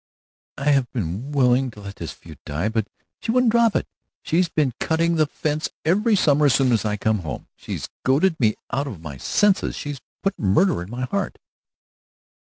"I'd have been willing to let this feud die, but she wouldn't drop it. She began cutting the fence every summer as soon as I came home. She's goaded me out of my senses, she's put murder in my heart!"